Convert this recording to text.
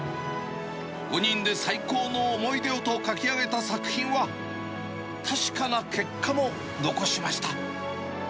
５人で最高の思い出をと描き上げた作品は、確かな結果も残しまし